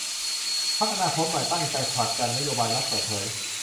พรรคอนาคตใหม่ตั้งใจผลักดันนโยบายรัฐเปิดเผย